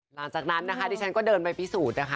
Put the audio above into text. หลังจากนั้นนะคะดิฉันก็เดินไปพิสูจน์นะคะ